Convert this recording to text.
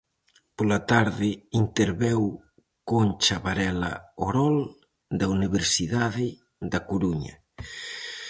Pola tarde interveu Concha Varela Orol, da Universidade da Coruña.